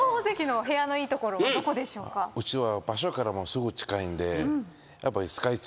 うちは。